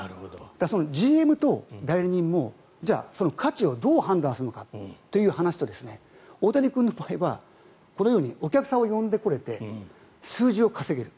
そのＧＭと代理人も、価値をどう判断するのかという話と大谷君の場合はこのようにお客さんを呼んでこれて数字を稼げる。